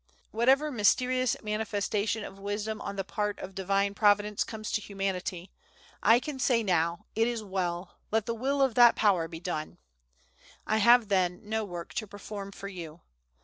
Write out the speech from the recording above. Whatever mysterious manifestation of wisdom on the part of Divine Providence comes to Humanity, I can say now, 'It is well! Let the will of that Power be done!' I have then no work to perform for you.